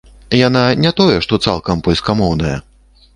Яна не тое што цалкам польскамоўная.